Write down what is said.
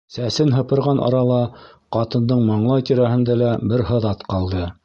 Сәсен һыпырған арала ҡатындың маңлай тирәһендә лә бер һыҙат ҡалды.